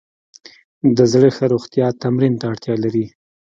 د زړه ښه روغتیا تمرین ته اړتیا لري.